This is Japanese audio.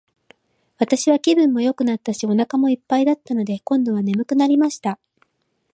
私は気分もよくなったし、お腹も一ぱいだったので、今度は睡くなりました。